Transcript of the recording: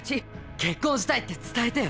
結婚したいって伝えてよ。